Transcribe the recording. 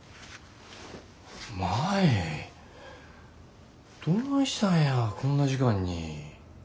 舞どないしたんやこんな時間に。